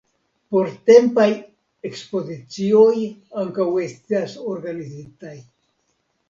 Portempaj ekspozicioj ankaŭ estas organizitaj.